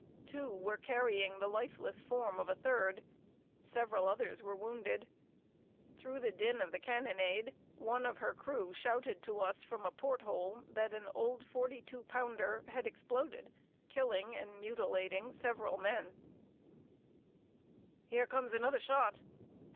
Two were carrying the lifeless form of a third; several others were wounded. Through the din of the cannonade, one of her crew shouted to us from a port hole that an old forty two pounder had exploded, killing and mutilating several men. [Sidenote: "HERE COMES ANOTHER SHOT."